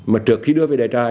mà trước khi đưa về đại trai